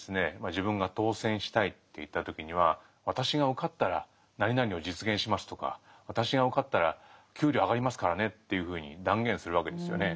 自分が当選したいっていった時には「私が受かったら何々を実現します」とか「私が受かったら給料上がりますからね」というふうに断言するわけですよね。